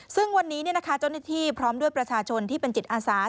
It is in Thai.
ซึ่งวันนี้เจ้าหน้าที่พร้อมด้วยประชาชนที่เป็นจิตอาสา